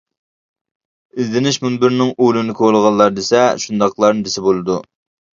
ئىزدىنىش مۇنبىرىنىڭ ئۇلىنى كولىغانلار دېسە شۇنداقلارنى دېسە بولىدۇ.